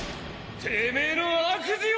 てめぇの悪事を？？